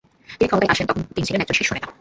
তিনি ক্ষমতায় আসেন তখন তিনি ছিলেন একজন শীর্ষ নেতা।